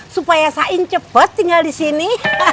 supaya sain cepet tinggal di sini